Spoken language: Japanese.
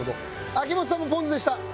秋元さんもポンズでした。